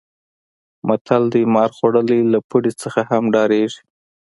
متل دی: مار خوړلی له پړي نه هم ډارېږي.